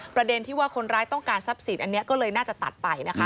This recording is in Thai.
ประเด็นที่ว่าคนร้ายต้องการทรัพย์สินอันนี้ก็เลยน่าจะตัดไปนะคะ